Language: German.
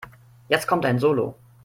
Jetzt kommt dein Solo.